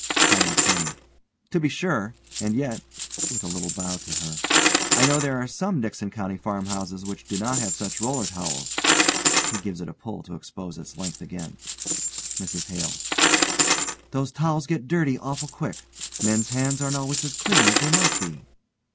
COUNTY ATTORNEY: To be sure. And yet (with a little bow to her) I know there are some Dickson county farmhouses which do not have such roller towels. (He gives it a pull to expose its length again.) MRS HALE: Those towels get dirty awful quick. Men's hands aren't always as clean as they might be.